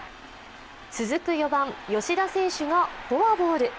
続く４番・吉田選手がフォアボール。